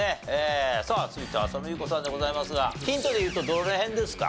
さあ続いては浅野ゆう子さんでございますがヒントでいうとどの辺ですか？